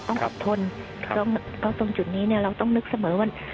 ต้องอดทนเพราะตรงจุดนี้เราต้องนึกเสมอว่า